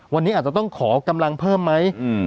วันนี้อาจจะต้องขอกำลังเพิ่มไหม